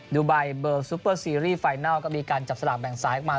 ดูไบเบอร์ซุปเปอร์ซีรีส์ไฟนัลก็มีการจับสลากแบ่งสายออกมา